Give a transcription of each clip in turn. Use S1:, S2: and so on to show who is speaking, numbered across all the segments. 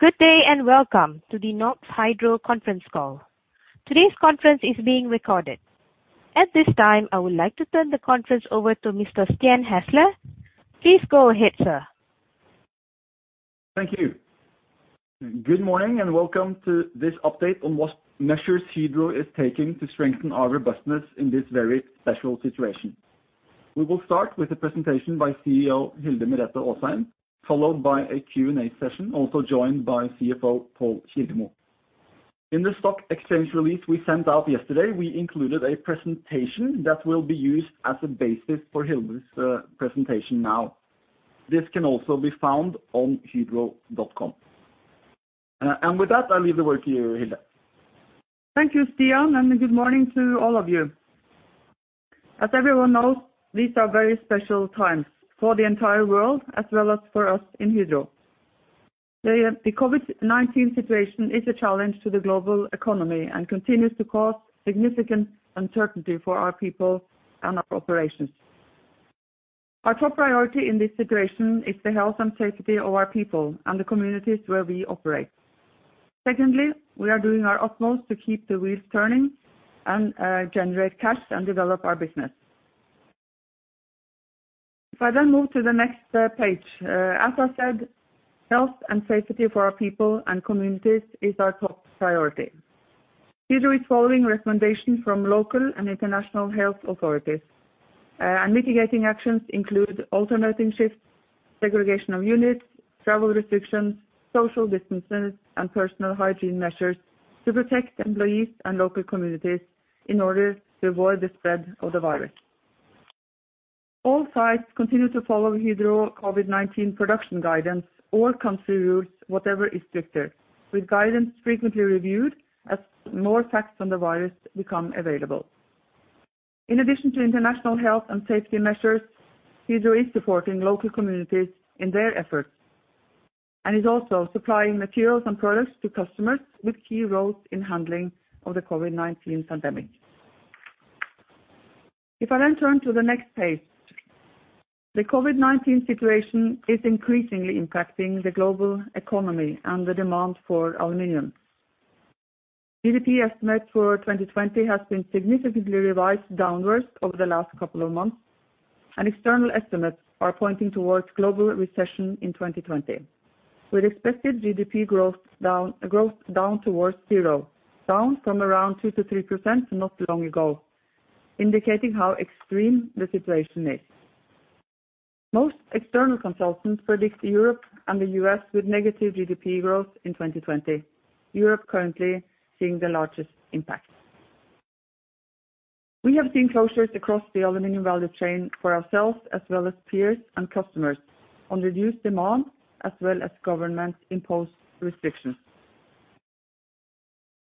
S1: Good day and welcome to the Norsk Hydro conference call. Today's conference is being recorded. At this time, I would like to turn the conference over to Mr. Stian Hasle. Please go ahead, sir.
S2: Thank you. Good morning, welcome to this update on what measures Hydro is taking to strengthen our robustness in this very special situation. We will start with a presentation by CEO Hilde Merete Aasheim, followed by a Q&A session, also joined by CFO Pål Kildemo. In the stock exchange release we sent out yesterday, we included a presentation that will be used as a basis for Hilde's presentation now. This can also be found on hydro.com. With that, I leave the work to you, Hilde.
S3: Thank you, Stian. Good morning to all of you. As everyone knows, these are very special times for the entire world as well as for us in Hydro. The COVID-19 situation is a challenge to the global economy and continues to cause significant uncertainty for our people and our operations. Our top priority in this situation is the health and safety of our people and the communities where we operate. Secondly, we are doing our utmost to keep the wheels turning and generate cash and develop our business. If I move to the next page. As I said, health and safety for our people and communities is our top priority. Hydro is following recommendations from local and international health authorities, and mitigating actions include alternating shifts, segregation of units, travel restrictions, social distances, and personal hygiene measures to protect employees and local communities in order to avoid the spread of the virus. All sites continue to follow Hydro COVID-19 production guidance or country rules, whatever is stricter, with guidance frequently reviewed as more facts on the virus become available. In addition to international health and safety measures, Hydro is supporting local communities in their efforts and is also supplying materials and products to customers with key roles in handling of the COVID-19 pandemic. If I then turn to the next page. The COVID-19 situation is increasingly impacting the global economy and the demand for aluminum. GDP estimate for 2020 has been significantly revised downwards over the last couple of months, and external estimates are pointing towards global recession in 2020, with expected GDP growth down towards zero, down from around 2%-3% not long ago, indicating how extreme the situation is. Most external consultants predict Europe and the U.S. with negative GDP growth in 2020. Europe currently seeing the largest impact. We have seen closures across the aluminium value chain for ourselves as well as peers and customers on reduced demand, as well as government-imposed restrictions.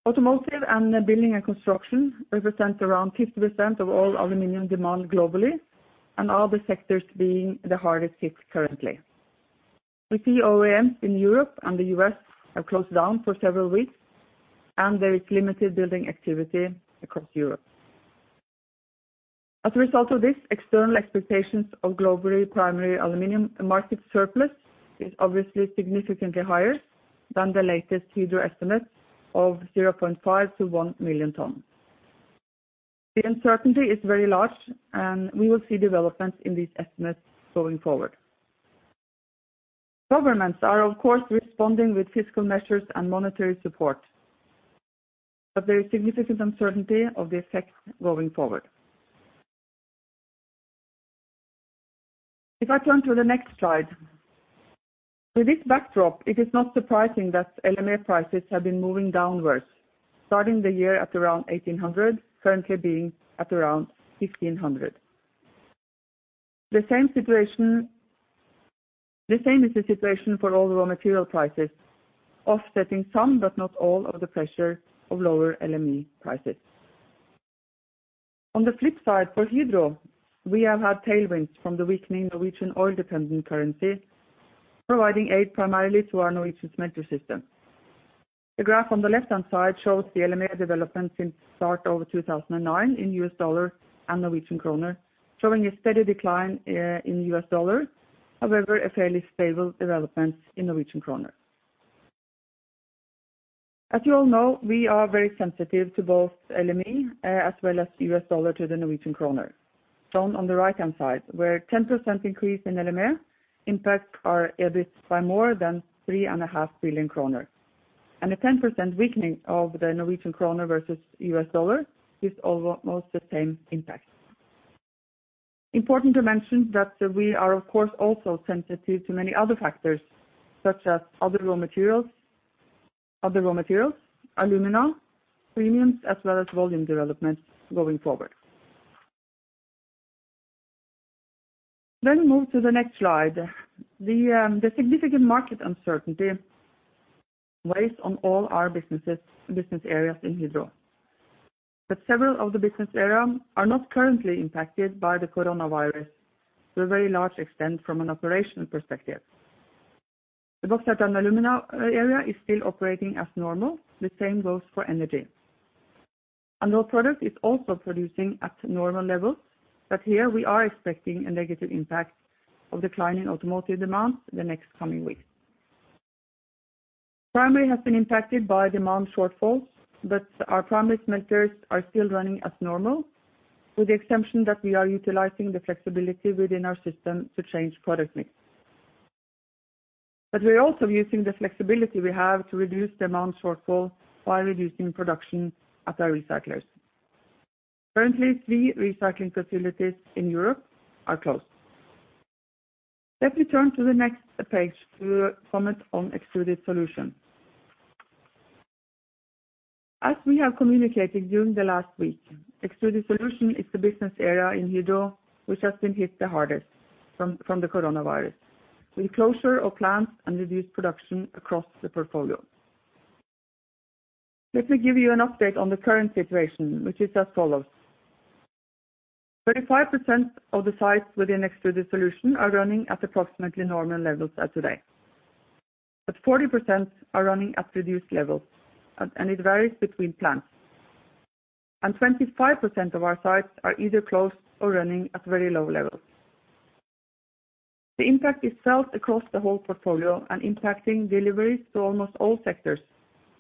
S3: Automotive and building and construction represents around 50% of all aluminium demand globally, and are the sectors being the hardest hit currently. We see OEM in Europe and the U.S. have closed down for several weeks, and there is limited building activity across Europe. As a result of this, external expectations of global primary aluminum market surplus is obviously significantly higher than the latest Hydro estimate of 500,000 tons-1 million tons. The uncertainty is very large, and we will see developments in these estimates going forward. Governments are, of course, responding with fiscal measures and monetary support, but there is significant uncertainty of the effects going forward. If I turn to the next slide. With this backdrop, it is not surprising that LME prices have been moving downwards, starting the year at around $1,800, currently being at around $1,500. The same is the situation for all raw material prices, offsetting some, but not all, of the pressure of lower LME prices. On the flip side, for Hydro, we have had tailwinds from the weakening Norwegian oil-dependent currency, providing aid primarily to our Norwegian smelter system. The graph on the left-hand side shows the LME development since the start of 2009 in US dollar and Norwegian kroner, showing a steady decline in US dollar. A fairly stable development in Norwegian kroner. As you all know, we are very sensitive to both LME as well as US dollar to the Norwegian kroner. Shown on the right-hand side, where 10% increase in LME impacts our EBIT by more than 3.5 billion kroner. A 10% weakening of the Norwegian kroner versus US dollar gives almost the same impact. Important to mention that we are, of course, also sensitive to many other factors, such as other raw materials, alumina, premiums, as well as volume development going forward. Let me move to the next slide. The significant market uncertainty weighs on all our business areas in Hydro. Several of the business areas are not currently impacted by the COVID-19 to a very large extent from an operational perspective. The Hydro Bauxite and Alumina area is still operating as normal. The same goes for energy. Alunorte is also producing at normal levels, but here we are expecting a negative impact of declining automotive demand in the next coming weeks. Primary has been impacted by demand shortfalls, but our primary smelters are still running as normal, with the exception that we are utilizing the flexibility within our system to change product mix. We are also using the flexibility we have to reduce demand shortfall by reducing production at our recyclers. Currently, three recycling facilities in Europe are closed. Let me turn to the next page to comment on Hydro Extrusions. As we have communicated during the last week, Hydro Extrusions is the business area in Hydro which has been hit the hardest from the coronavirus, with closure of plants and reduced production across the portfolio. Let me give you an update on the current situation, which is as follows. 35% of the sites within Hydro Extrusions are running at approximately normal levels as of today. 40% are running at reduced levels, and it varies between plants. 25% of our sites are either closed or running at very low levels. The impact is felt across the whole portfolio and impacting deliveries to almost all sectors,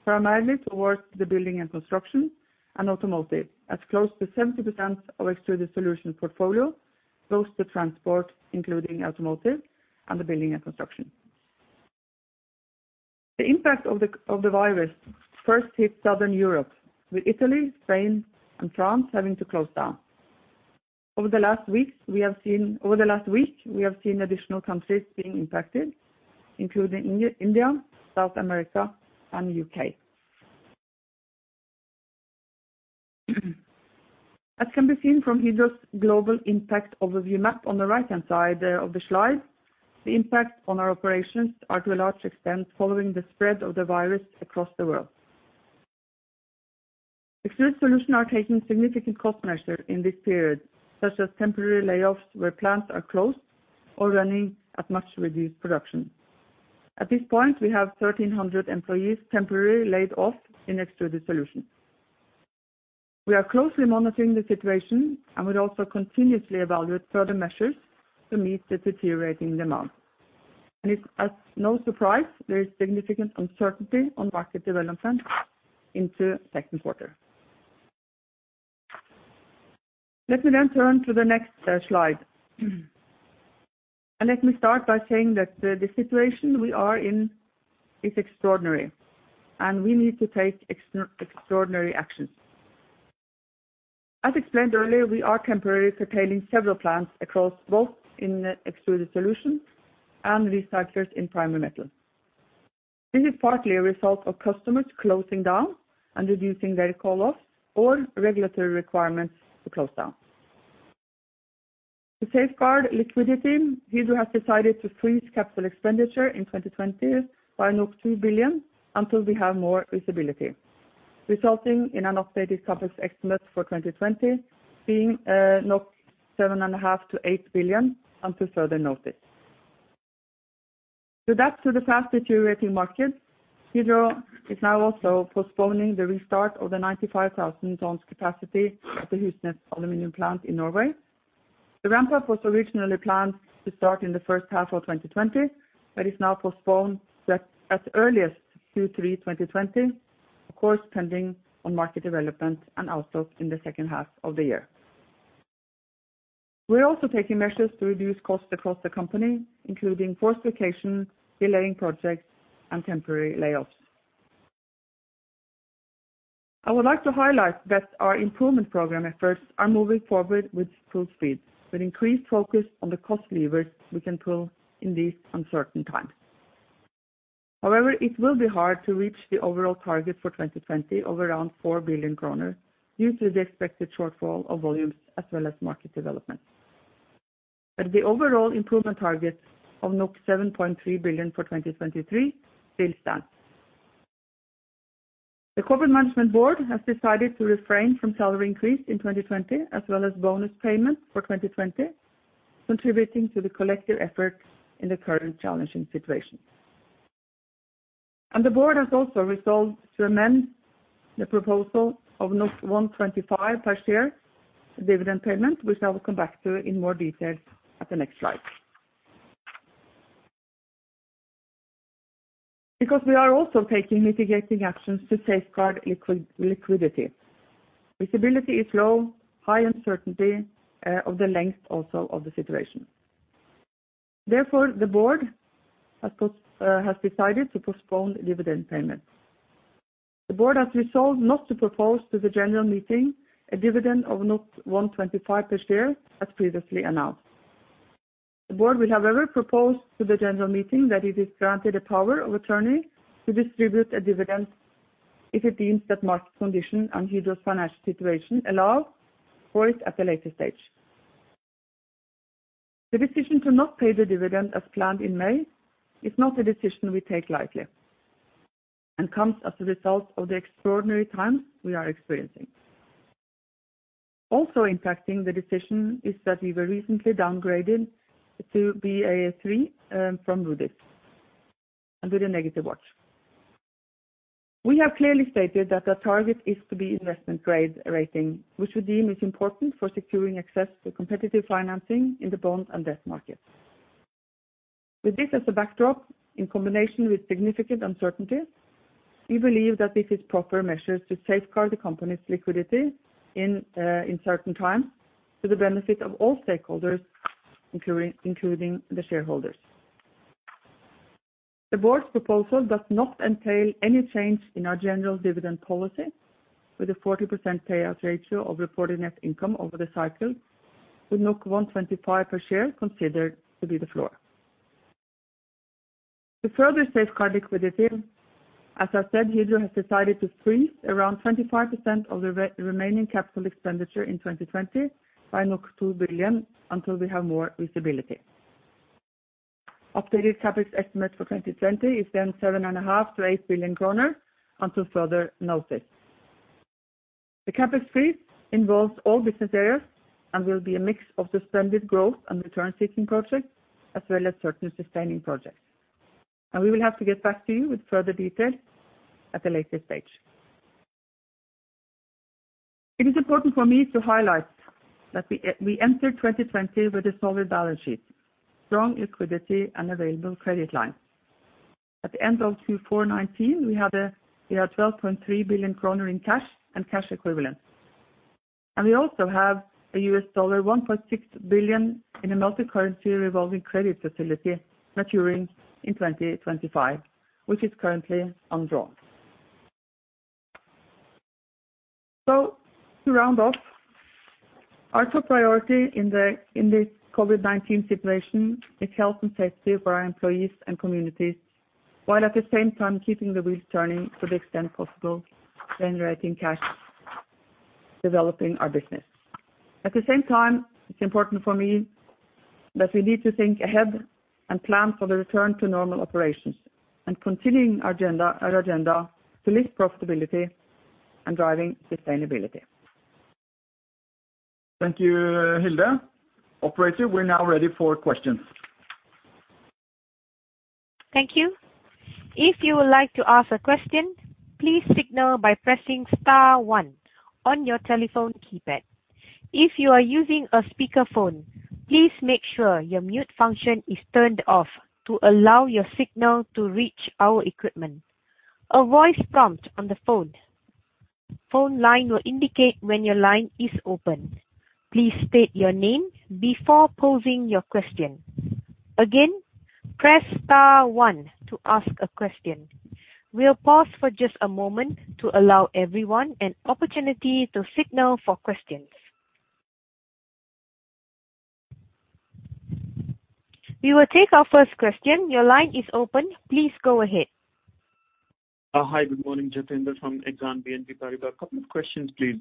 S3: primarily towards the building and construction and automotive, as close to 70% of Hydro Extrusions portfolio goes to transport, including automotive and the building and construction. The impact of the virus first hit Southern Europe, with Italy, Spain, and France having to close down. Over the last week, we have seen additional countries being impacted, including India, South America, and U.K. As can be seen from Hydro's global impact overview map on the right-hand side of the slide, the impact on our operations are to a large extent following the spread of the virus across the world. Hydro Extrusions are taking significant cost measures in this period, such as temporary layoffs where plants are closed or running at much reduced production. At this point, we have 1,300 employees temporarily laid off in Hydro Extrusions. We are closely monitoring the situation, and we also continuously evaluate further measures to meet the deteriorating demand. It's no surprise there is significant uncertainty on market development into second quarter. Let me then turn to the next slide. Let me start by saying that the situation we are in is extraordinary, and we need to take extraordinary actions. As explained earlier, we are temporarily curtailing several plants across both in Hydro Extrusions and recyclers in Hydro Aluminium Metal. This is partly a result of customers closing down and reducing their call-off or regulatory requirements to close down. To safeguard liquidity, Hydro has decided to freeze capital expenditure in 2020 by 2 billion until we have more visibility, resulting in an updated CapEx estimate for 2020 being 7.5 billion-8 billion until further notice. Adapt to the fast-deteriorating market, Hydro is now also postponing the restart of the 95,000 tons capacity at the Husnes aluminium plant in Norway. The ramp-up was originally planned to start in the first half of 2020, but is now postponed at earliest Q3 2020, of course, pending on market development and also in the second half of the year. We're also taking measures to reduce costs across the company, including forced vacations, delaying projects, and temporary layoffs. I would like to highlight that our improvement program efforts are moving forward with full speed, with increased focus on the cost levers we can pull in these uncertain times. However, it will be hard to reach the overall target for 2020 of around 4 billion kroner due to the expected shortfall of volumes as well as market development. The overall improvement target of 7.3 billion for 2023 still stands. The corporate management board has decided to refrain from salary increase in 2020 as well as bonus payment for 2020, contributing to the collective effort in the current challenging situation. The board has also resolved to amend the proposal of 1.25 per share dividend payment, which I will come back to in more detail at the next slide. We are also taking mitigating actions to safeguard liquidity. Visibility is low, high uncertainty of the length also of the situation. Therefore, the board has decided to postpone dividend payment. The board has resolved not to propose to the general meeting a dividend of 1.25 per share as previously announced. The board will, however, propose to the general meeting that it is granted a power of attorney to distribute a dividend if it deems that market condition and Hydro's financial situation allow for it at a later stage. The decision to not pay the dividend as planned in May is not a decision we take lightly and comes as a result of the extraordinary times we are experiencing. Impacting the decision is that we were recently downgraded to Ba3 from Moody's, under the negative watch. We have clearly stated that our target is to be investment-grade rating, which we deem is important for securing access to competitive financing in the bond and debt market. With this as a backdrop, in combination with significant uncertainties, we believe that this is proper measures to safeguard the company's liquidity in certain times to the benefit of all stakeholders, including the shareholders. The board's proposal does not entail any change in our general dividend policy with a 40% payout ratio of reported net income over the cycle, with 1.25 per share considered to be the floor. To further safeguard liquidity, as I said, Hydro has decided to freeze around 25% of the remaining capital expenditure in 2020 by NOK 2 billion until we have more visibility. Updated CapEx estimate for 2020 is 7.5 billion-8 billion kroner until further notice. The CapEx freeze involves all business areas and will be a mix of suspended growth and return-seeking projects as well as certain sustaining projects. We will have to get back to you with further details at a later stage. It is important for me to highlight that we entered 2020 with a solid balance sheet, strong liquidity, and available credit lines. At the end of Q4 2019, we had 12.3 billion kroner in cash and cash equivalents. We also have a $1.6 billion in a multicurrency revolving credit facility maturing in 2025, which is currently undrawn. To round off, our top priority in this COVID-19 situation is health and safety for our employees and communities, while at the same time keeping the wheels turning to the extent possible, generating cash, developing our business. At the same time, it's important for me that we need to think ahead and plan for the return to normal operations and continuing our agenda to lift profitability and driving sustainability.
S4: Thank you, Hilde. Operator, we are now ready for questions.
S1: Thank you. If you would like to ask a question, please signal by pressing star one on your telephone keypad. If you are using a speakerphone, please make sure your mute function is turned off to allow your signal to reach our equipment. A voice prompt on the phone line will indicate when your line is open. Please state your name before posing your question. Again, press star one to ask a question. We'll pause for just a moment to allow everyone an opportunity to signal for questions. We will take our first question. Your line is open. Please go ahead.
S5: Hi, good morning. Jatinder from Exane BNP Paribas. A couple of questions, please.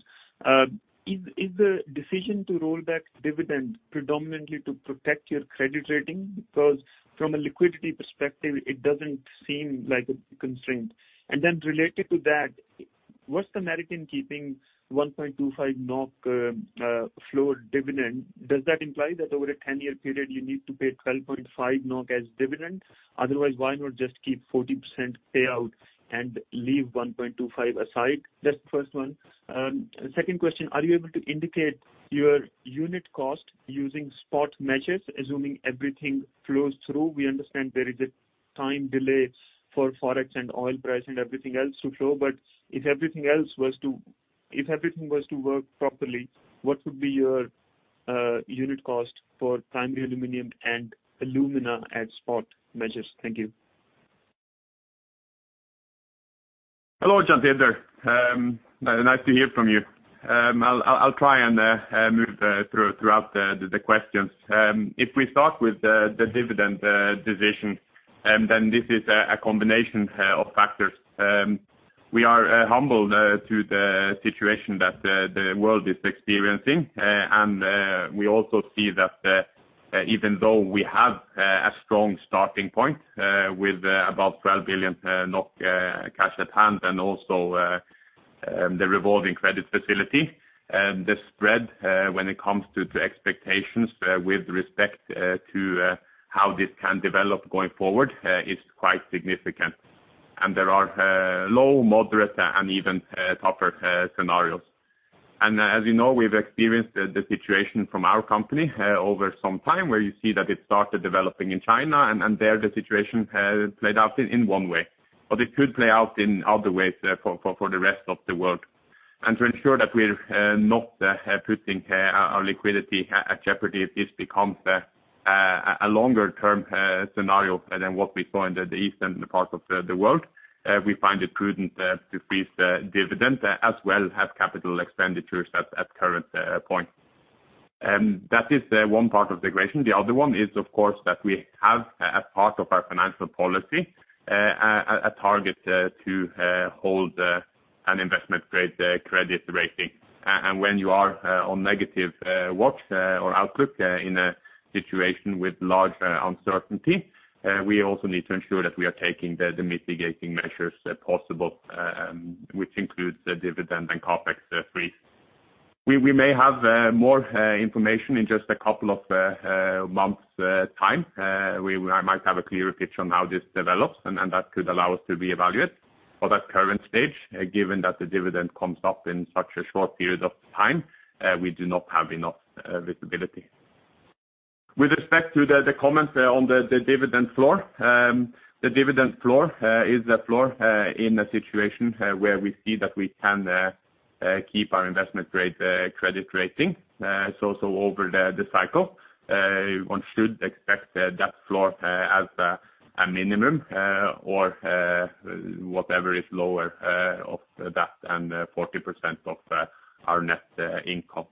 S5: Is the decision to roll back dividend predominantly to protect your credit rating? Because from a liquidity perspective, it doesn't seem like a constraint. Related to that, what's the merit in keeping 1.25 NOK floor dividend? Does that imply that over a 10-year period, you need to pay 12.5 NOK as dividend? Otherwise, why not just keep 40% payout and leave 1.25 aside? That's the first one. Second question, are you able to indicate your unit cost using spot measures, assuming everything flows through? We understand there is a time delay for Forex and oil price and everything else to flow. If everything was to work properly, what would be your unit cost for primary aluminum and alumina at spot measures? Thank you.
S4: Hello, Jatinder. Nice to hear from you. I'll try and move throughout the questions. If we start with the dividend decision, then this is a combination of factors. We are humbled to the situation that the world is experiencing. We also see that even though we have a strong starting point with about 12 billion NOK cash at hand and also the revolving credit facility, the spread when it comes to expectations with respect to how this can develop going forward is quite significant. There are low, moderate, and even tougher scenarios. As you know, we've experienced the situation from our company over some time where you see that it started developing in China, and there the situation played out in one way. It could play out in other ways for the rest of the world. To ensure that we're not putting our liquidity at jeopardy if this becomes a longer-term scenario than what we saw in the eastern part of the world, we find it prudent to freeze the dividend as well as capital expenditures at current point. That is one part of the equation. The other one is, of course, that we have, as part of our financial policy, a target to hold an investment-grade credit rating. When you are on negative watch or outlook in a situation with large uncertainty, we also need to ensure that we are taking the mitigating measures possible, which includes the dividend and CapEx freeze. We may have more information in just a couple of months time. We might have a clearer picture on how this develops and that could allow us to reevaluate. For that current stage, given that the dividend comes up in such a short period of time, we do not have enough visibility. With respect to the comments on the dividend floor. The dividend floor is a floor in a situation where we see that we can keep our investment-grade credit rating. Over the cycle, one should expect that floor as a minimum, or whatever is lower of that and 40% of our net income.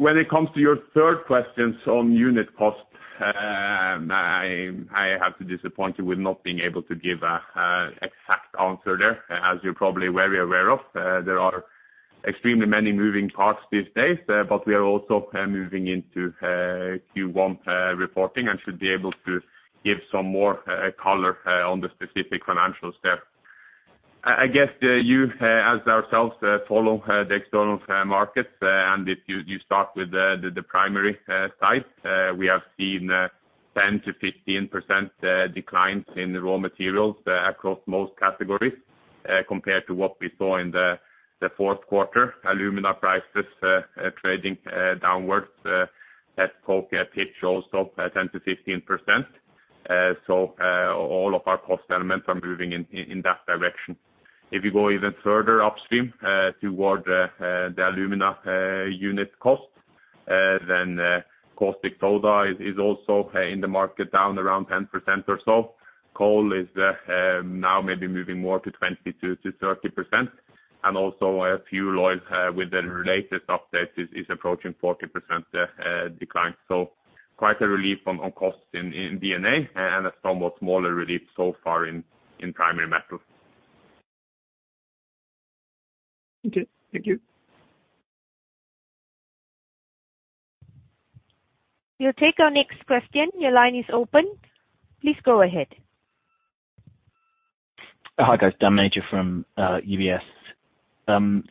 S4: When it comes to your third questions on unit cost, I have to disappoint you with not being able to give a exact answer there. As you're probably very aware of, there are extremely many moving parts these days. We are also moving into Q1 reporting and should be able to give some more color on the specific financials there. I guess you, as ourselves, follow the external markets, and if you start with the primary side, we have seen 10%-15% declines in raw materials across most categories compared to what we saw in the fourth quarter. Alumina prices trading downwards at coke pitch also 10%-15%. All of our cost elements are moving in that direction. If you go even further upstream toward the alumina unit cost, then caustic soda is also in the market down around 10% or so. Coal is now maybe moving more to 20%-30%, and also a few oils with the related updates is approaching 40% decline. Quite a relief on costs in B&A and a somewhat smaller relief so far in primary metals.
S5: Okay. Thank you.
S1: We'll take our next question. Your line is open. Please go ahead.
S6: Hi, guys. Daniel Major from UBS.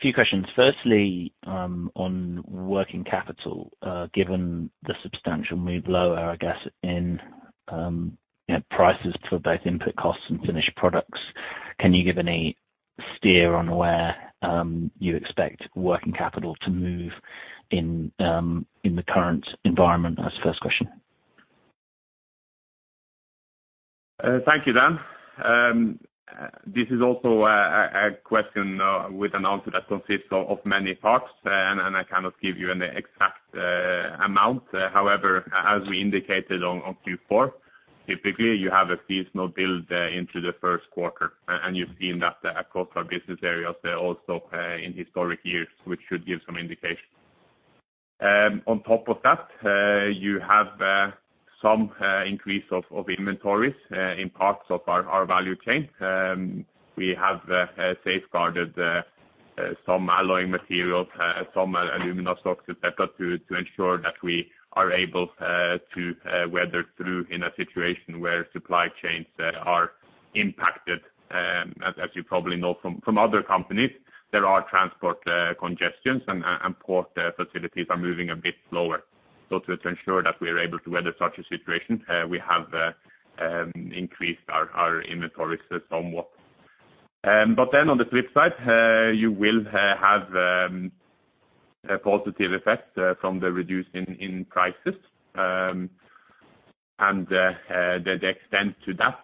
S6: Few questions. Firstly, on working capital, given the substantial move lower, I guess, in prices for both input costs and finished products, can you give any steer on where you expect working capital to move in the current environment? That's the first question.
S4: Thank you, Dan. This is also a question with an answer that consists of many parts, and I cannot give you an exact amount. However, as we indicated on Q4, typically you have a seasonal build into the first quarter, and you've seen that across our business areas there also in historic years, which should give some indication. On top of that, you have some increase of inventories in parts of our value chain. We have safeguarded some alloying materials, some alumina stocks to ensure that we are able to weather through in a situation where supply chains are impacted. As you probably know from other companies, there are transport congestions and port facilities are moving a bit slower. To ensure that we are able to weather such a situation, we have increased our inventories somewhat. On the flip side, you will have a positive effect from the reduction in prices. The extent to that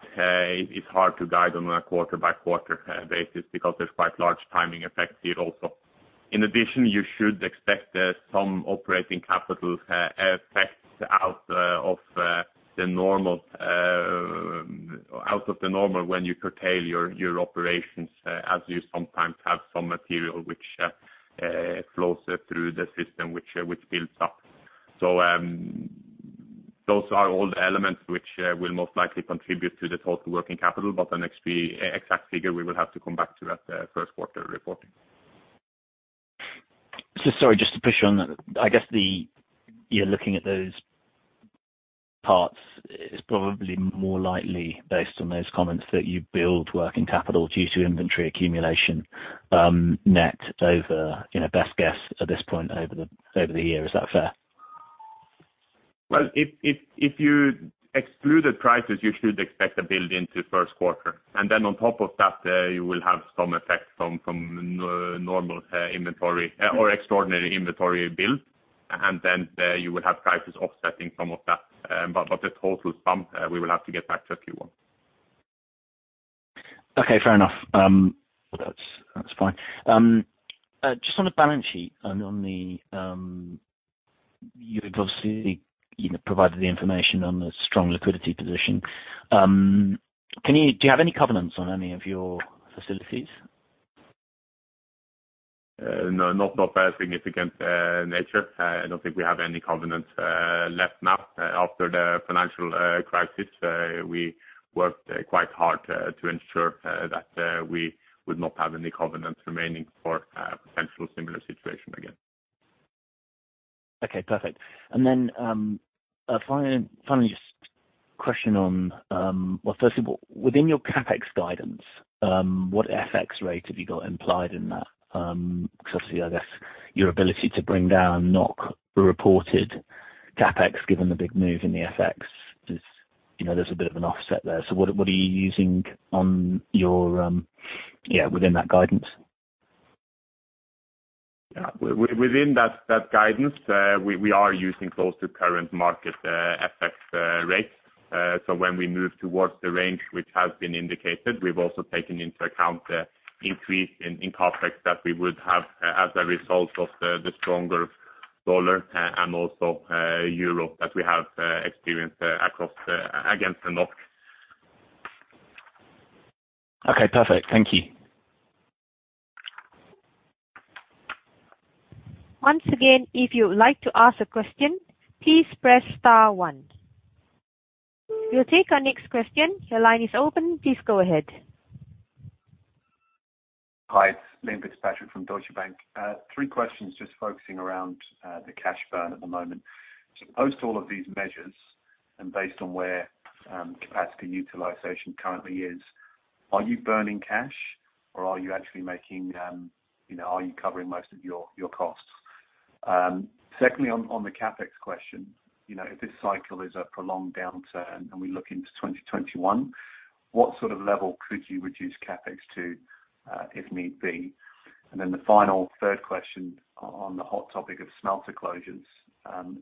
S4: is hard to guide on a quarter-by-quarter basis because there's quite large timing effects here also. In addition, you should expect some operating capital effects out of the normal when you curtail your operations, as you sometimes have some material which flows through the system, which builds up. Those are all elements which will most likely contribute to the total working capital. The exact figure we will have to come back to at first quarter reporting.
S6: Sorry, just to push on that. I guess you're looking at those parts is probably more likely based on those comments that you build working capital due to inventory accumulation net over best guess at this point over the year. Is that fair?
S4: Well, if you exclude the prices, you should expect a build into first quarter. On top of that, you will have some effect from normal inventory or extraordinary inventory build, and then you would have prices offsetting some of that. The total sum, we will have to get back to Q1.
S6: Okay, fair enough. That's fine. Just on the balance sheet, you had obviously provided the information on the strong liquidity position. Do you have any covenants on any of your facilities?
S4: No, not by a significant nature. I don't think we have any covenants left now. After the financial crisis, we worked quite hard to ensure that we would not have any covenants remaining for a potential similar situation again.
S6: Okay, perfect. Finally, just a question on, well, first of all, within your CapEx guidance, what FX rate have you got implied in that? Because obviously, I guess your ability to bring down NOK reported CapEx, given the big move in the FX, there's a bit of an offset there. What are you using within that guidance?
S4: Yeah. Within that guidance, we are using close to current market FX rates. When we move towards the range, which has been indicated, we've also taken into account the increase in CapEx that we would have as a result of the stronger dollar and also euro that we have experienced against the NOK.
S6: Okay, perfect. Thank you.
S1: Once again, if you would like to ask a question, please press star one. We will take our next question. Your line is open. Please go ahead.
S7: Hi, it's Liam Fitzpatrick from Deutsche Bank. Three questions just focusing around the cash burn at the moment. Post all of these measures, and based on where capacity utilization currently is, are you burning cash, or are you covering most of your costs? Secondly, on the CapEx question. If this cycle is a prolonged downturn and we look into 2021, what sort of level could you reduce CapEx to, if need be? Then the final third question on the hot topic of smelter closures.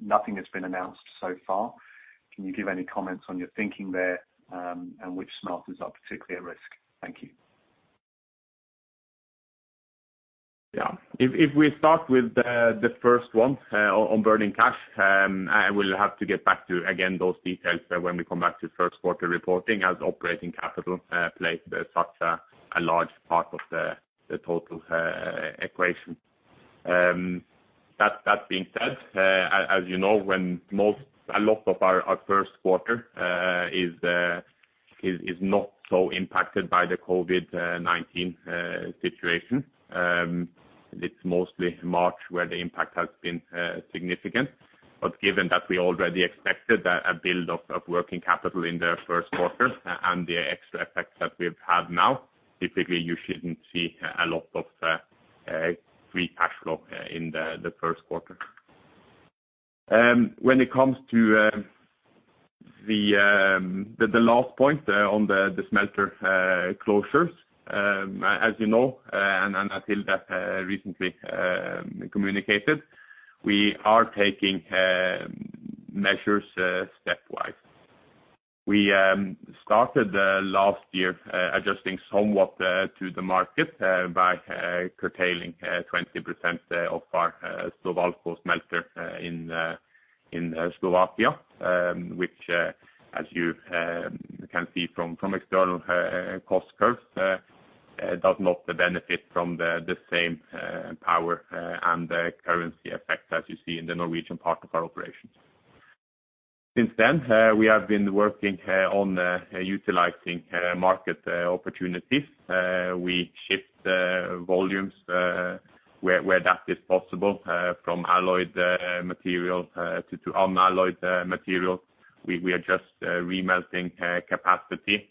S7: Nothing has been announced so far. Can you give any comments on your thinking there? Which smelters are particularly at risk? Thank you.
S4: Yeah. If we start with the first one on burning cash, I will have to get back to, again, those details when we come back to first quarter reporting as operating capital plays such a large part of the total equation. That being said, as you know, a lot of our first quarter is not so impacted by the COVID-19 situation. It's mostly March where the impact has been significant. Given that we already expected a build of working capital in the first quarter and the extra effects that we've had now, typically you shouldn't see a lot of free cash flow in the first quarter. When it comes to the last point on the smelter closures, as you know, and I think that recently communicated, we are taking measures stepwise. We started last year adjusting somewhat to the market by curtailing 20% of our Slovalco smelter in Slovakia, which, as you can see from external cost curves, does not benefit from the same power and currency effect as you see in the Norwegian part of our operations. Since then, we have been working on utilizing market opportunities. We shift volumes, where that is possible, from alloyed material to unalloyed material. We adjust re-melting capacity,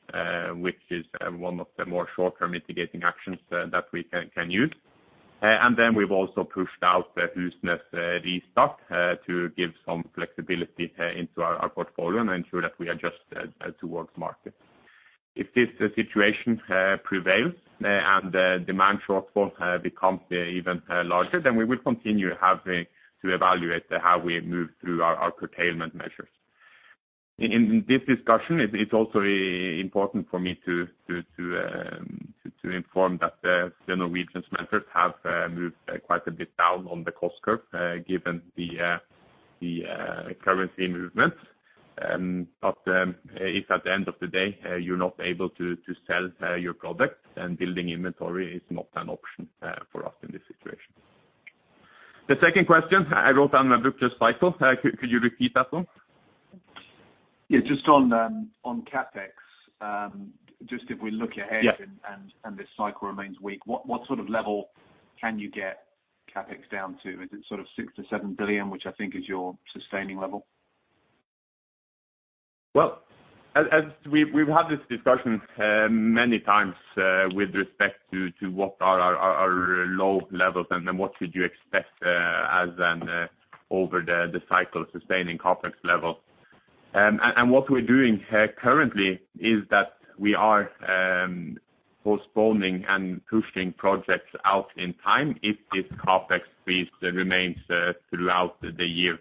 S4: which is one of the more shorter mitigating actions that we can use. We've also pushed out the Husnes restock to give some flexibility into our portfolio and ensure that we adjust towards market. If this situation prevails and the demand shortfall becomes even larger, then we will continue having to evaluate how we move through our curtailment measures. In this discussion, it's also important for me to inform that the Norwegian smelters have moved quite a bit down on the cost curve, given the currency movements. If at the end of the day you're not able to sell your product, then building inventory is not an option for us in this situation. The second question, I wrote down about just cycle. Could you repeat that one?
S7: Yeah, just on CapEx. Just if we look ahead.
S4: Yeah
S7: This cycle remains weak, what sort of level can you get CapEx down to? Is it sort of 6 billion-7 billion, which I think is your sustaining level?
S4: Well, as we've had this discussion many times with respect to what are our low levels and what could you expect as an over the cycle sustaining CapEx level. What we're doing currently is that we are postponing and pushing projects out in time if this CapEx freeze remains throughout the year.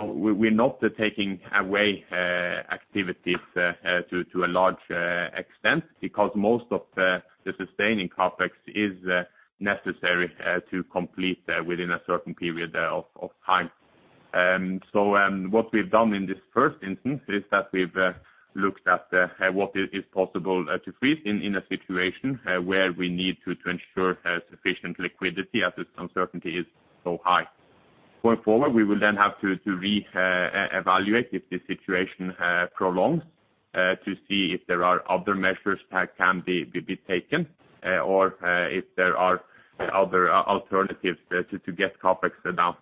S4: We're not taking away activities to a large extent because most of the sustaining CapEx is necessary to complete within a certain period of time. What we've done in this first instance is that we've looked at what is possible to freeze in a situation where we need to ensure sufficient liquidity as this uncertainty is so high. Going forward, we will then have to reevaluate if this situation prolongs, to see if there are other measures that can be taken or if there are other alternatives to get CapEx down.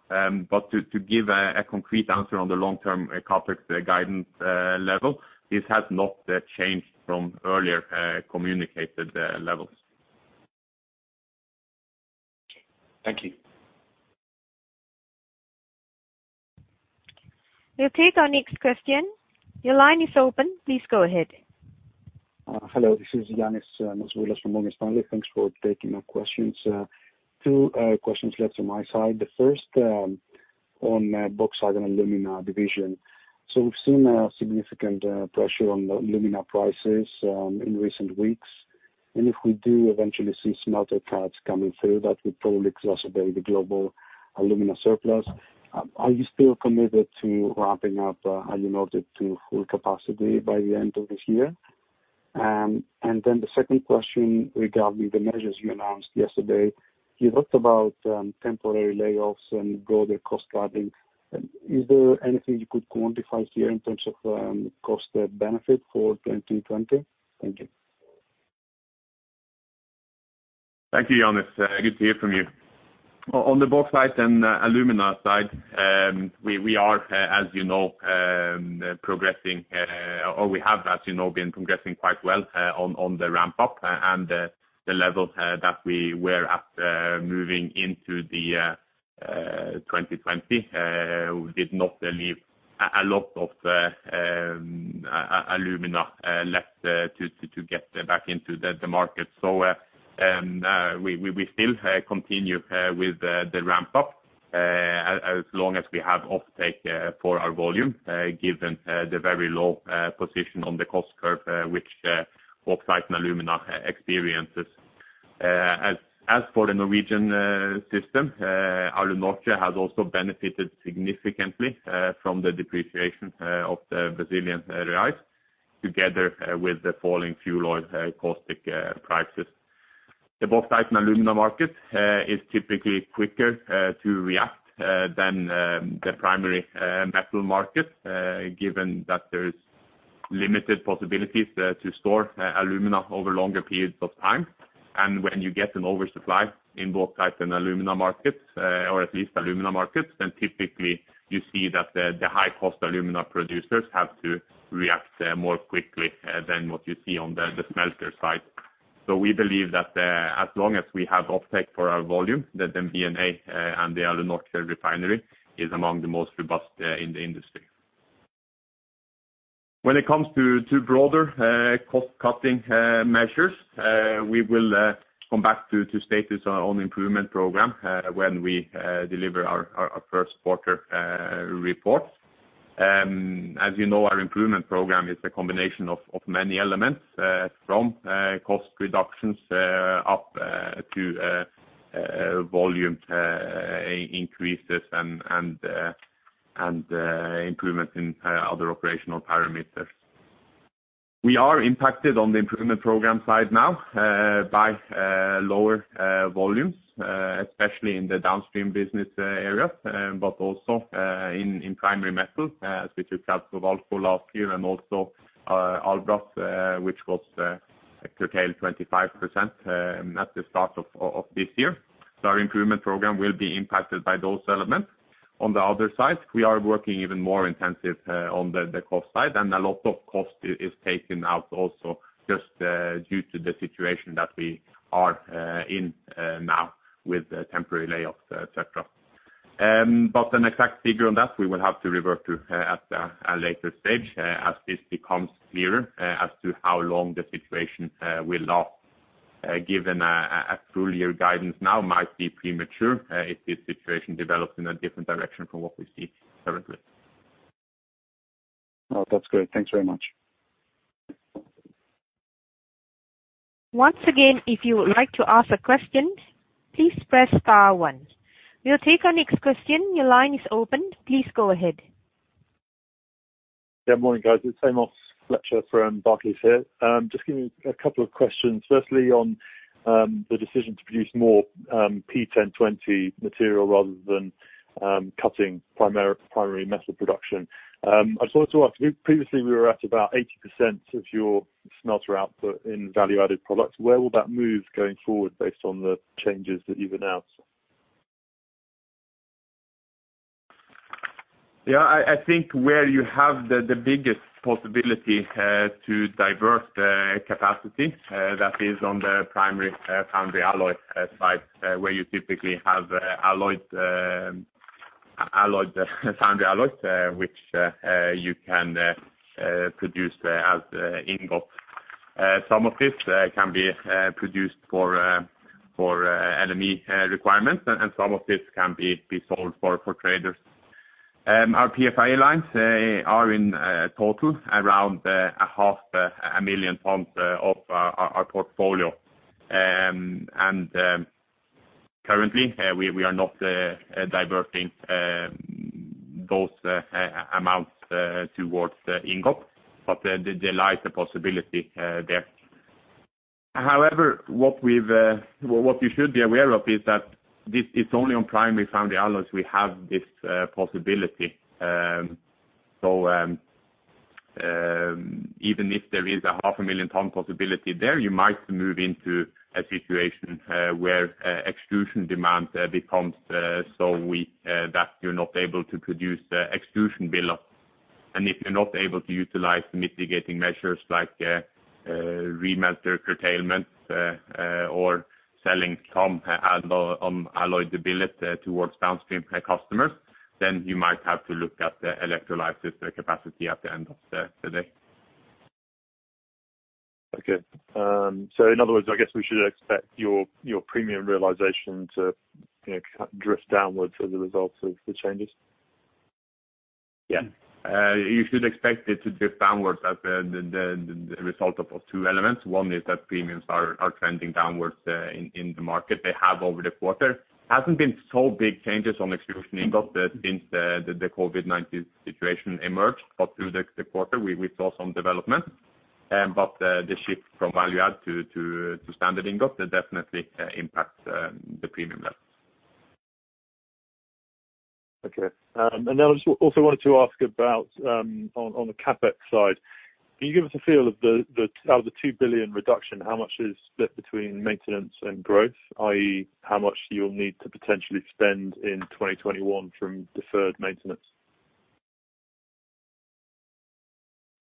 S4: To give a concrete answer on the long-term CapEx guidance level, this has not changed from earlier communicated levels.
S7: Okay. Thank you.
S1: We'll take our next question. Your line is open. Please go ahead.
S8: Hello, this is Ioannis Masvoulas from Morgan Stanley. Thanks for taking my questions. Two questions left on my side. The first on bauxite and alumina division. We've seen a significant pressure on alumina prices in recent weeks, and if we do eventually see smelter cuts coming through, that would probably exacerbate the global alumina surplus. Are you still committed to ramping up Alunorte to full capacity by the end of this year? The second question regarding the measures you announced yesterday. You talked about temporary layoffs and broader cost-cutting. Is there anything you could quantify here in terms of cost benefit for 2020? Thank you.
S4: Thank you, Ioannis. Good to hear from you. On the bauxite and alumina side, we are, as you know, progressing, or we have, as you know, been progressing quite well on the ramp-up and the levels that we were at moving into the 2020. We did not leave a lot of alumina left to get back into the market. We still continue with the ramp-up, as long as we have offtake for our volume, given the very low position on the cost curve which bauxite and alumina experiences. As for the Norwegian system, Alunorte has also benefited significantly from the depreciation of the Brazilian reais, together with the falling fuel oil caustic prices. The bauxite and alumina market is typically quicker to react than the primary metal market, given that there's limited possibilities to store alumina over longer periods of time. When you get an oversupply in bauxite and alumina markets, or at least alumina markets, then typically you see that the high-cost alumina producers have to react more quickly than what you see on the smelter side. We believe that as long as we have offtake for our volume, that MRN and the Alunorte refinery is among the most robust in the industry. When it comes to broader cost-cutting measures, we will come back to state this on Improvement Program when we deliver our first quarter report. As you know, our Improvement Program is a combination of many elements, from cost reductions up to volume increases and improvements in other operational parameters. We are impacted on the improvement program side now by lower volumes, especially in the downstream business area, but also in primary metal, which we've had Slovalco last year and also Albras, which was curtailed 25% at the start of this year. Our improvement program will be impacted by those elements. On the other side, we are working even more intensive on the cost side, and a lot of cost is taken out also just due to the situation that we are in now with temporary layoffs, et cetera. An exact figure on that, we will have to revert to at a later stage as this becomes clearer as to how long the situation will last, given a full year guidance now might be premature if this situation develops in a different direction from what we see currently.
S8: That's great. Thanks very much.
S1: Once again, if you would like to ask a question, please press star one. We'll take our next question. Your line is opened. Please go ahead.
S9: Yeah, morning, guys. It's Amos Fletcher from Barclays here. Just give me a couple of questions. Firstly, on the decision to produce more P1020 material rather than cutting primary metal production. I just wanted to ask, previously we were at about 80% of your smelter output in value-added products. Where will that move going forward based on the changes that you've announced?
S4: Yeah, I think where you have the biggest possibility to divert capacity, that is on the primary foundry alloy side, where you typically have foundry alloys, which you can produce as ingot. Some of this can be produced for LME requirements, and some of this can be sold for traders. Our PFA lines are in total around 500,000 tons of our portfolio. Currently, we are not diverting those amounts towards ingot, but there lies the possibility there. However, what you should be aware of is that this is only on primary foundry alloys we have this possibility. Even if there is a 500,000 tons possibility there, you might move into a situation where extrusion demand becomes so weak that you're not able to produce extrusion billet. If you're not able to utilize mitigating measures like remelter curtailment or selling some unalloyed billet towards downstream customers, then you might have to look at the electrolysis capacity at the end of the day.
S9: In other words, I guess we should expect your premium realization to drift downwards as a result of the changes?
S4: Yeah. You should expect it to drift downwards as the result of two elements. One is that premiums are trending downwards in the market. They have over the quarter. Hasn't been so big changes on extrusion ingot since the COVID-19 situation emerged, but through the quarter, we saw some development. The shift from value add to standard ingot, that definitely impacts the premium level.
S9: Okay. I also wanted to ask about on the CapEx side, can you give us a feel of out of the 2 billion reduction, how much is split between maintenance and growth, i.e., how much you'll need to potentially spend in 2021 from deferred maintenance?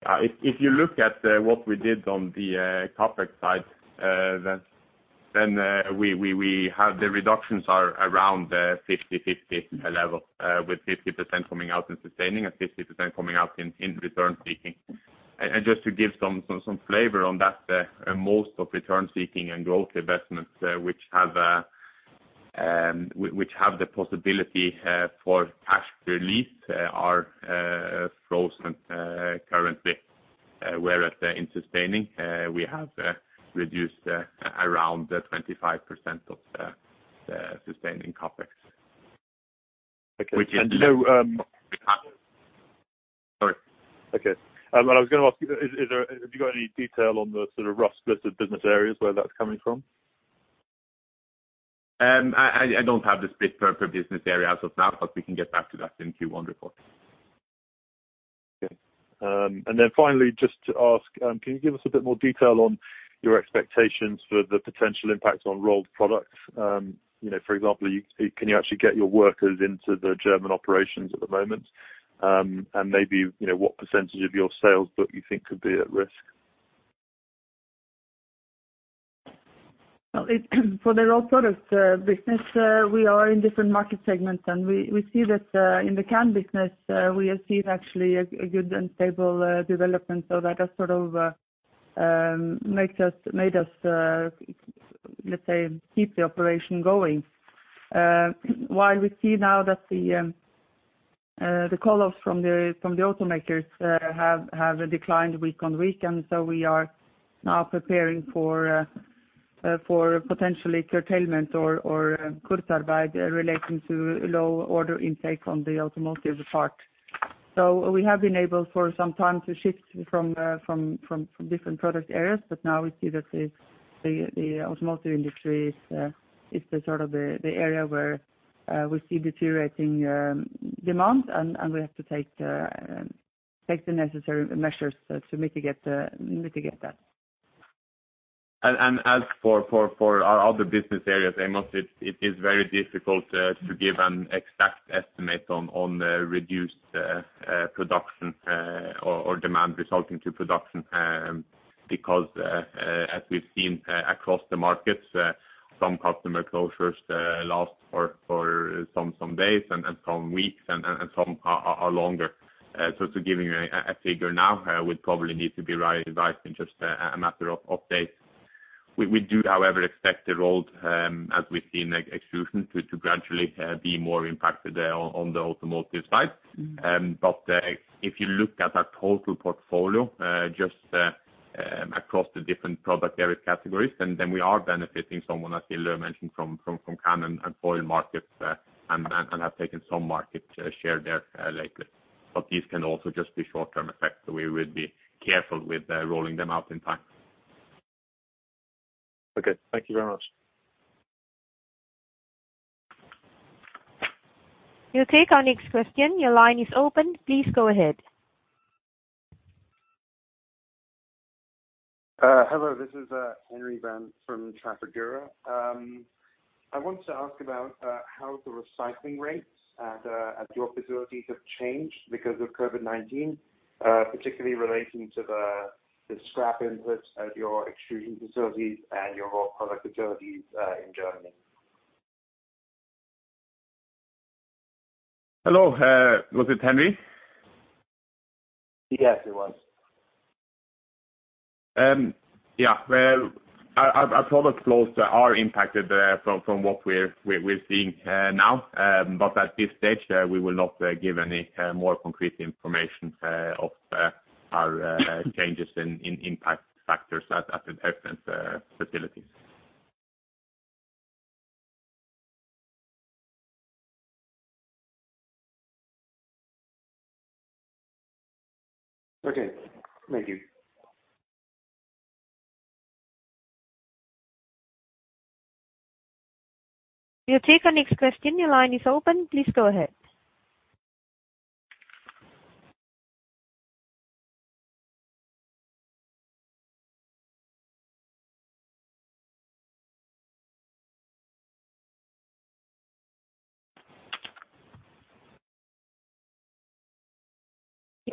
S4: If you look at what we did on the CapEx side, the reductions are around 50/50 level, with 50% coming out in sustaining and 50% coming out in return seeking. Just to give some flavor on that, most of return seeking and growth investments which have the possibility for cash release are frozen currently, whereas in sustaining, we have reduced around 25% of sustaining CapEx.
S9: Okay.
S4: Sorry.
S9: Okay. What I was going to ask you, have you got any detail on the sort of rough split of business areas where that's coming from?
S4: I don't have the split for business areas as of now, but we can get back to that in Q1 report.
S9: Okay. Finally, just to ask, can you give us a bit more detail on your expectations for the potential impact on rolled products? For example, can you actually get your workers into the German operations at the moment? Maybe, what % of your sales book you think could be at risk?
S3: For the rolled products business, we are in different market segments, and we see that in the can business, we have seen actually a good and stable development. That has sort of made us, let's say, keep the operation going. While we see now that the call-offs from the automakers have declined week on week, we are now preparing for potentially curtailment or Kurzarbeit relating to low order intake on the automotive part. We have been able for some time to shift from different product areas, but now we see that the automotive industry is the area where we see deteriorating demand, and we have to take the necessary measures to mitigate that.
S4: As for our other business areas, Amos, it is very difficult to give an exact estimate on reduced production or demand resulting to production, because as we've seen across the markets, some customer closures last for some days and some weeks, and some are longer. To give you a figure now would probably need to be revised in just a matter of days. We do, however, expect the rolled, as we see in extrusion, to gradually be more impacted on the automotive side. If you look at our total portfolio, just across the different product area categories, then we are benefiting, as Hilde mentioned, from can and foil markets and have taken some market share there lately. These can also just be short-term effects, so we will be careful with rolling them out in time.
S9: Okay. Thank you very much.
S1: We'll take our next question. Your line is open. Please go ahead.
S10: Hello, this is Henry Van from Trafigura. I want to ask about how the recycling rates at your facilities have changed because of COVID-19, particularly relating to the scrap inputs at your extrusion facilities and your rolled product facilities in Germany.
S4: Hello, was it Henry?
S10: Yes, it was.
S4: Yeah. Our product flows are impacted from what we're seeing now, but at this stage, we will not give any more concrete information of our changes in impact factors at the different facilities.
S10: Okay. Thank you.
S1: We'll take our next question. Your line is open. Please go ahead.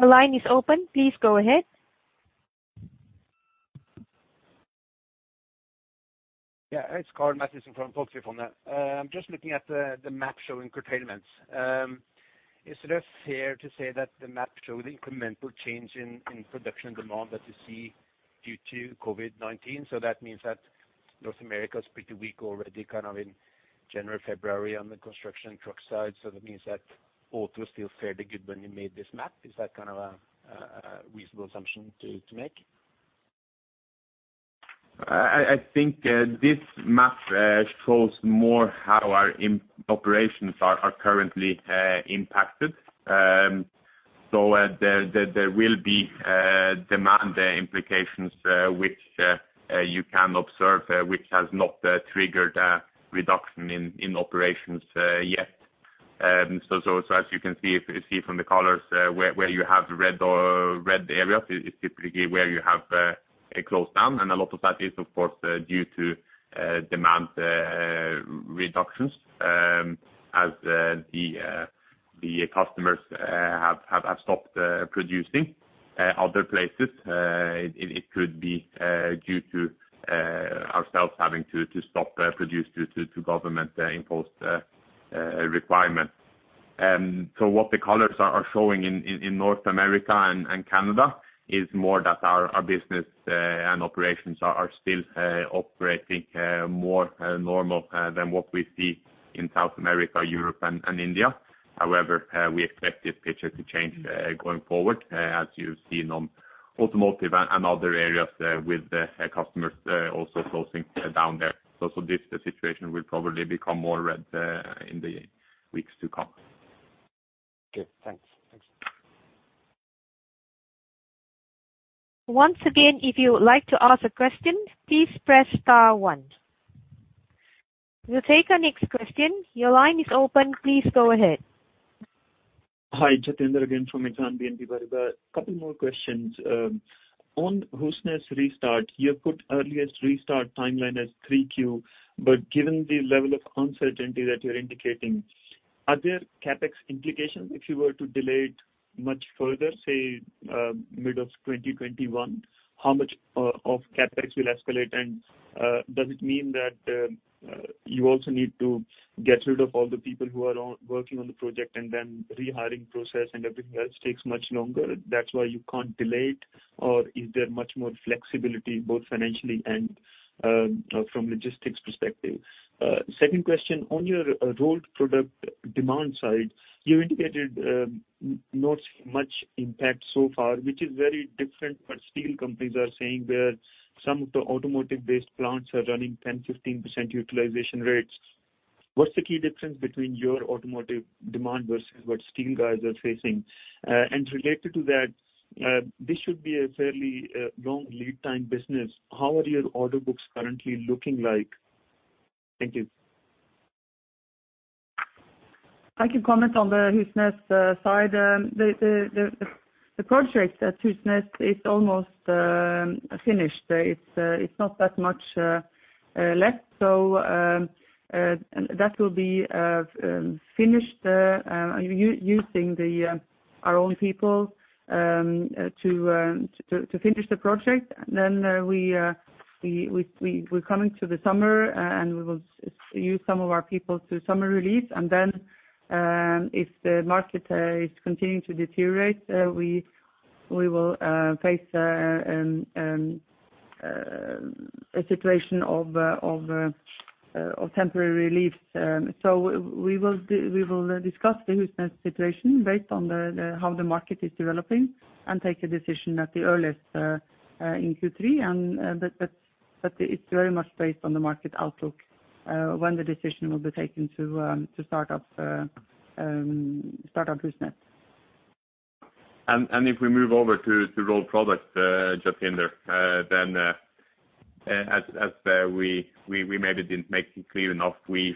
S1: Your line is open. Please go ahead.
S11: Yeah. It is Karl Mathisen from Folketrygdfondet. I am just looking at the map showing curtailments. Is it fair to say that the map shows the incremental change in production demand that you see due to COVID-19? That means that North America is pretty weak already kind of in January, February on the construction truck side. That means that auto is still fairly good when you made this map. Is that kind of a reasonable assumption to make?
S4: I think this map shows more how our operations are currently impacted. There will be demand implications, which you can observe, which has not triggered a reduction in operations yet. As you can see from the colors, where you have red areas is typically where you have a close down, and a lot of that is of course due to demand reductions as the customers have stopped producing. Other places, it could be due to ourselves having to stop produce due to government-imposed requirements. What the colors are showing in North America and Canada is more that our business and operations are still operating more normal than what we see in South America, Europe, and India. However, we expect this picture to change going forward, as you've seen on automotive and other areas with customers also closing down there. This situation will probably become more red in the weeks to come.
S11: Okay, thanks.
S1: Once again, if you would like to ask a question, please press star one. We will take our next question. Your line is open. Please go ahead.
S5: Hi, Jatinder again from Exane BNP Paribas. A couple more questions. On Husnes restart, you put earliest restart timeline as 3Q. Given the level of uncertainty that you're indicating, are there CapEx implications if you were to delay it much further, say, mid of 2021? How much of CapEx will escalate? Does it mean that you also need to get rid of all the people who are working on the project and then rehiring process and everything else takes much longer, that's why you can't delay it? Is there much more flexibility, both financially and from logistics perspective? Second question, on your rolled product demand side, you indicated not much impact so far, which is very different, steel companies are saying where some of the automotive-based plants are running 10%-15% utilization rates. What's the key difference between your automotive demand versus what steel guys are facing? Related to that, this should be a fairly long lead time business. How are your order books currently looking like? Thank you.
S3: I can comment on the Husnes side. The project at Husnes is almost finished. It's not that much left. That will be finished using our own people to finish the project. We're coming to the summer, and we will use some of our people to summer release, and then if the market is continuing to deteriorate, we will face a situation of temporary release. We will discuss the Husnes situation based on how the market is developing and take a decision at the earliest in Q3. It's very much based on the market outlook when the decision will be taken to start up Husnes.
S4: If we move over to rolled product, Jatinder, as we maybe didn't make it clear enough, we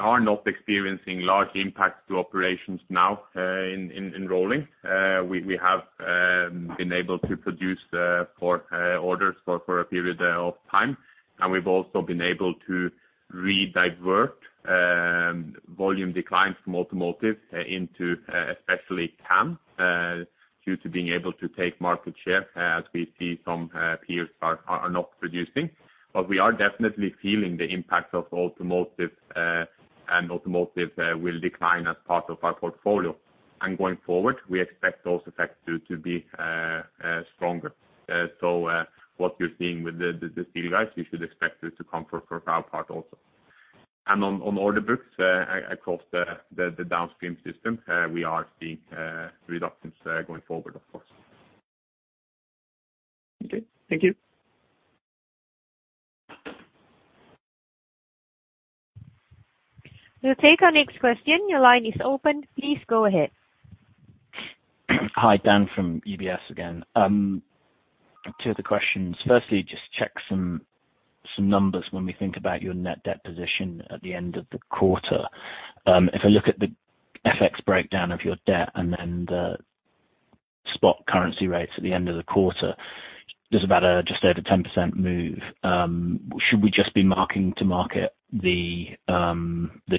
S4: are not experiencing large impacts to operations now in rolling. We have been able to produce for orders for a period of time. We've also been able to redivert volume declines from automotive into especially can due to being able to take market share as we see some peers are not producing. We are definitely feeling the impact of automotive, and automotive will decline as part of our portfolio. Going forward, we expect those effects to be stronger. What you're seeing with the steel guys, you should expect it to come for our part also. On order books across the downstream system, we are seeing reductions going forward, of course.
S5: Okay. Thank you.
S1: We'll take our next question. Your line is open. Please go ahead.
S6: Hi. Dan from UBS again. Two other questions. Just check some numbers when we think about your net debt position at the end of the quarter. If I look at the FX breakdown of your debt and then the spot currency rates at the end of the quarter, there's about a just over 10% move. Should we just be marking to market the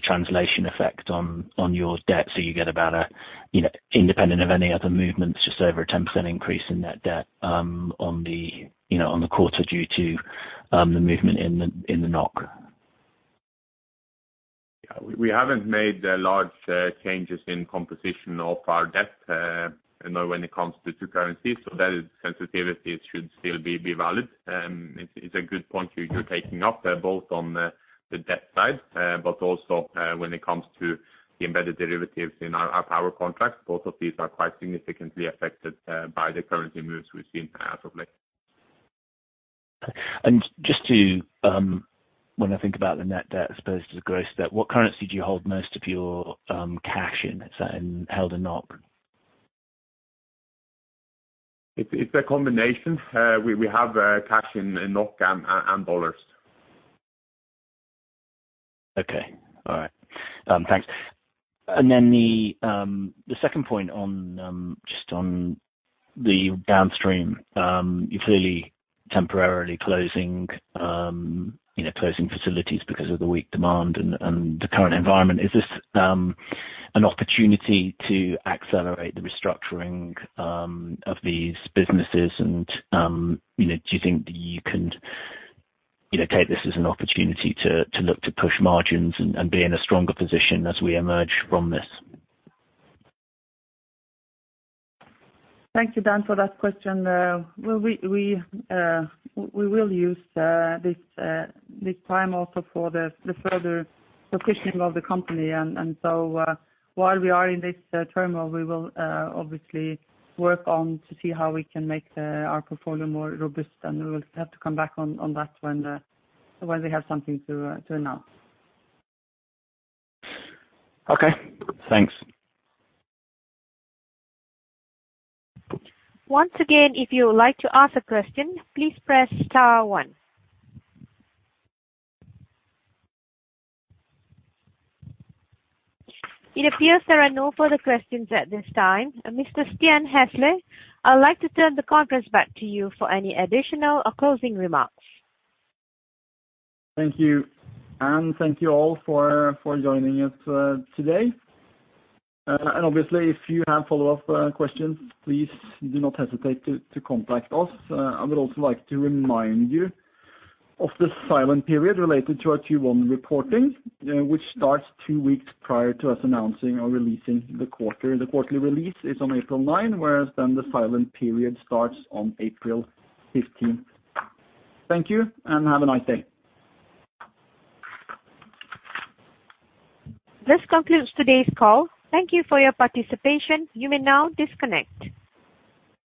S6: translation effect on your debt so you get about a, independent of any other movements, just over a 10% increase in net debt on the quarter due to the movement in the NOK?
S4: Yeah. We haven't made large changes in composition of our debt, when it comes to currency. That sensitivity should still be valid. It's a good point you're taking up there, both on the debt side. Also when it comes to the embedded derivatives in our power contracts. Both of these are quite significantly affected by the currency moves we've seen as of late.
S6: When I think about the net debt as opposed to the gross debt, what currency do you hold most of your cash in? Is that held in NOK?
S4: It's a combination. We have cash in NOK and U.S. dollars.
S6: Okay. All right. Thanks. The second point just on the downstream. You're clearly temporarily closing facilities because of the weak demand and the current environment. Is this an opportunity to accelerate the restructuring of these businesses? Do you think that you can take this as an opportunity to look to push margins and be in a stronger position as we emerge from this?
S3: Thank you, Dan, for that question. We will use this time also for the further positioning of the company. While we are in this turmoil, we will obviously work on to see how we can make our portfolio more robust, and we will have to come back on that when we have something to announce.
S6: Okay, thanks.
S1: Once again, if you would like to ask a question, please press star one. It appears there are no further questions at this time. Mr. Stian Hasle, I would like to turn the conference back to you for any additional or closing remarks.
S2: Thank you. Thank you all for joining us today. Obviously, if you have follow-up questions, please do not hesitate to contact us. I would also like to remind you of the silent period related to our Q1 reporting, which starts two weeks prior to us announcing or releasing the quarter. The quarterly release is on April 9, whereas the silent period starts on April 15th. Thank you. Have a nice day.
S1: This concludes today's call. Thank you for your participation. You may now disconnect.